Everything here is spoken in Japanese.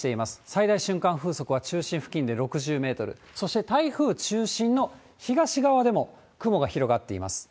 最大瞬間風速は中心付近で６０メートル、そして台風中心の東側でも、雲が広がっています。